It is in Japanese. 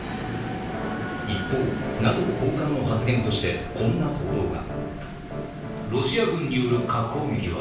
一方、ＮＡＴＯ高官の発言として、こんな報道が。